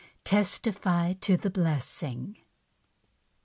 Testify to the Blessing.